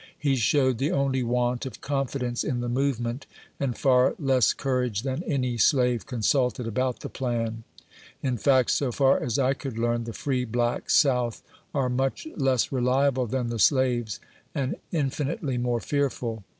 He showed the only want of confidence in the movement, and far less courage than any GO A VOICK FROM HARPER'S FERRY. slave consulted about the plan. In fact, so far as I could learn, the free blacks South are much less reliable than the slaves, and infinitely more fearful.